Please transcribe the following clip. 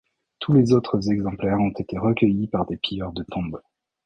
Tous les autres exemplaires ont été recueillis par des pilleurs de tombes.